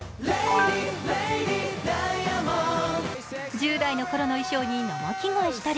１０代のころの衣装に生着替えしたり、